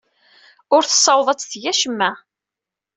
Ur tessaweḍ ad teg acemma.